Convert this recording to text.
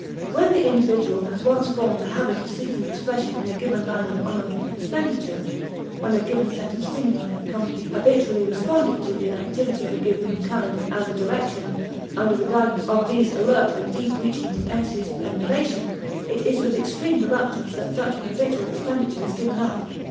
When the individual has once formed the habit of seeking expression in a given line of honorific expenditure when a given set of stimuli have come to be habitually responded to in activity of a given kind and direction under the guidance of these alert and deep reaching propensities of emulation it is with extreme reluctance that such an habitual expenditure is given up.